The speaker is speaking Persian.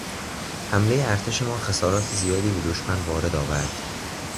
حملهٔ ارتش ما خسارات زیادی به دشمن وارد آورد.